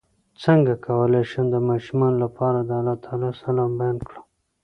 څنګه کولی شم د ماشومانو لپاره د الله تعالی سلام بیان کړم